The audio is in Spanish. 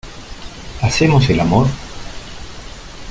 ¿ hacemos el amor?